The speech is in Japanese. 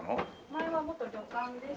前は元旅館でした。